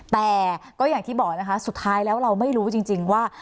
แต่ก็อย่างที่บอกนะคะสุดท้ายแล้วเราไม่รู้จริงว่า